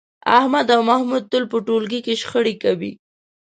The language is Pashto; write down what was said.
احمد او محمود تل په ټولگي کې شخړې کوي